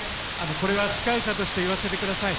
これは司会者として言わせてください。